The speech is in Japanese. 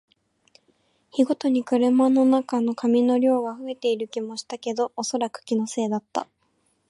日ごとに車の中の紙の量が増えている気もしたけど、おそらく気のせいだった